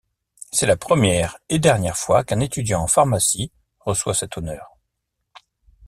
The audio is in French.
C'est la première et dernière fois qu'un étudiant en pharmacie reçoit cet honneur.